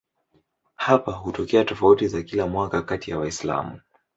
Hapa hutokea tofauti za kila mwaka kati ya Waislamu.